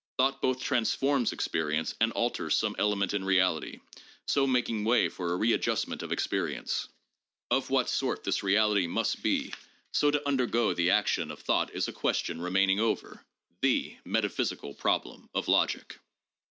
Thought both transforms experience and alters some elements in reality, so making way for a readjust ment of experience. Of what sort this reality must be so to undergo PSYCHOLOGY AND SCIENTIFIC METHODS 179 the action of thought is a question remaining over— the metaphysical problem of logic.